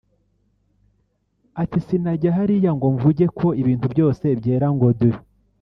Ati “Sinajya hariya ngo mvuge ko ibintu byose byera ngo de